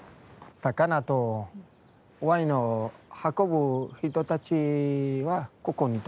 魚とワインを運ぶ人たちはここに泊まった。